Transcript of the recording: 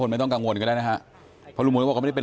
น้องคิมก็ได้นะครับ